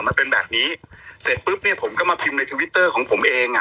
มันเป็นแบบนี้เสร็จปุ๊บเนี่ยผมก็มาพิมพ์ในทวิตเตอร์ของผมเองอ่ะ